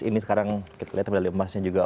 ini sekarang kita lihat medali emasnya juga